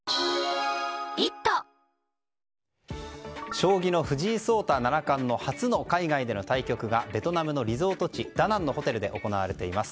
将棋の藤井聡太七冠の初の海外での対局がベトナムのリゾート地ダナンのホテルで行われています。